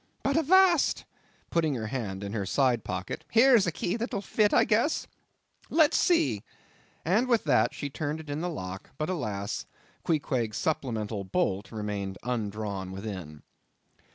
But avast!" putting her hand in her side pocket, "here's a key that'll fit, I guess; let's see." And with that, she turned it in the lock; but, alas! Queequeg's supplemental bolt remained unwithdrawn within.